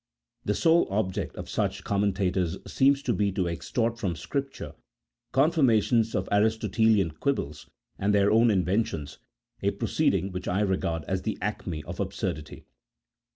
The sole object of such com mentators seems to be to extort from Scripture confirmations of Aristotelian quibbles and their own inventions, a pro ceeding which I regard as the acme of absurdity.